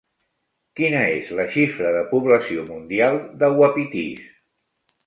Quina és la xifra de població mundial de uapitís?